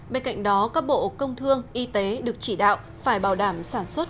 bên cạnh đó các bộ công thương y tế được chỉ đạo phải bảo đảm sản xuất